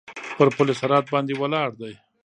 پر پل صراط باندې ولاړ دی.